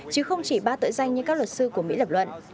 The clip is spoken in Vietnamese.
chứ không chỉ ba tội danh như các luật sư của mỹ lập luận